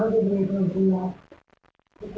เรอภาษาศนิยมรับ